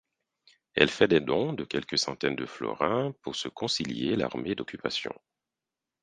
Elle fait des dons de quelques centaines de florins pour se concilier l'armée d'occupation.